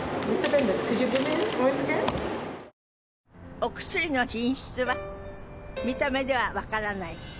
お薬の品質は見た目では分からない。